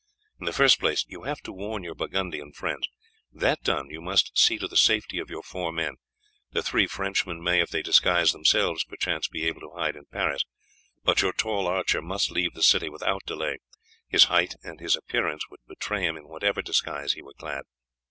In the first place, you have to warn your Burgundian friends; that done, you must see to the safety of your four men. The three Frenchmen may, if they disguise themselves, perchance be able to hide in Paris, but your tall archer must leave the city without delay, his height and appearance would betray him in whatever disguise he were clad.